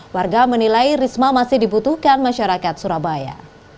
warga menilai risma masih dibutuhkan masyarakat surabaya